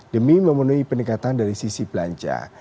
demi memenuhi peningkatan dari sisi belanja